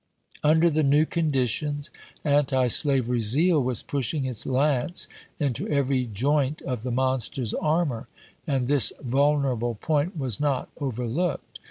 Under the new conditions antislavery zeal was pushing its lance into every joint of the monster's 216 ABEAHAM LINCOLN CHAP. xri. armor, and this \Tilnerable point was not over looked.